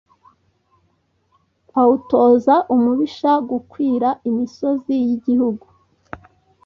awutoza umubisha gukwira imisozi y’igihugu.